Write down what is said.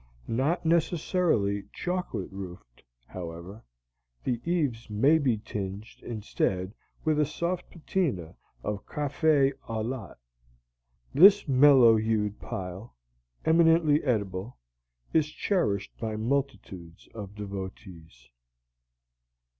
(Not necessarily chocolate roofed, however: the eaves may be tinged instead with a soft patina of café au lait.) This mellow hued pile, eminently edible, is cherished by multitudes of devotees.